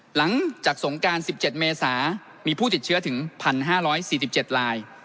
หลังจากสงการ๑๗เมษามีผู้ติดเชื้อถึง๑๕๔๗ลาย